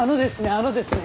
あのですね